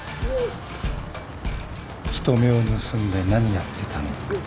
人目を盗んで何やってたの？